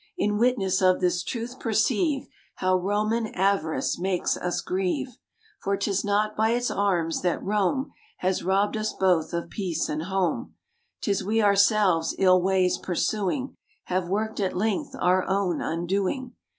In witness of this truth perceive How Roman avarice makes us grieve; For 'tis not by its arms that Rome Has robbed us both of peace and home; 'Tis we ourselves, ill ways pursuing, Have worked at length our own undoing.